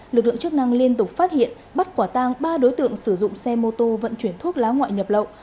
lực lượng chức năng liên tục phát hiện bắt quả tang ba đối tượng sử dụng xe mô tô vận chuyển thuốc lá ngoại nhập lậu